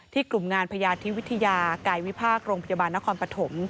ที่กลุ่มงานพญาทิวิทยาไก่วิพากษ์โรงพยาบาลนครปฐม